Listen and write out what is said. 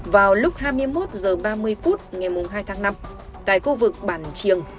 vào lúc hai mươi một h ba mươi phút ngày hai tháng năm tại khu vực bản triềng